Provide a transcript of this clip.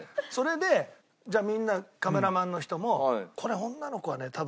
それでじゃあみんなカメラマンの人もこれ女の子はね